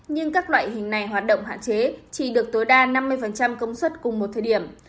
nhưng các loại hình này hoạt động hạn chế chỉ được tối đa năm mươi công suất cùng một thời điểm